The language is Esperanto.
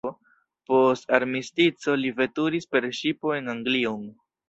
Post armistico li veturis per ŝipo en Anglion.